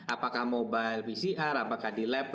apakah mobile pcr apakah dilengkapi